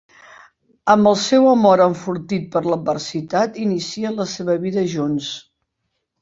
Amb el seu amor enfortit per l'adversitat, inicien la seva vida junts.